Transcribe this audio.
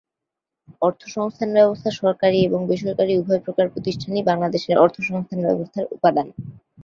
অর্থসংস্থান ব্যবস্থা সরকারি এবং বেসরকারি উভয় প্রকার প্রতিষ্ঠানই বাংলাদেশের অর্থসংস্থান ব্যবস্থার উপাদান।